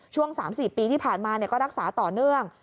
ช่วง๓๔ปีที่ผ่านมาก็รักษาต่อเนื่อง